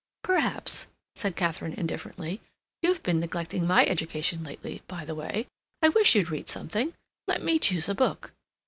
"Perhaps," said Katharine indifferently. "You've been neglecting my education lately, by the way. I wish you'd read something. Let me choose a book."